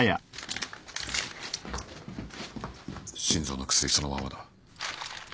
心臓の薬そのままだ